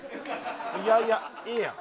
いやいやいいやん。